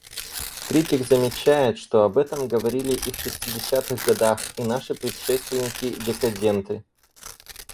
Критик замечает, что об этом говорили и в шестидесятых годах и наши предшественники, декаденты.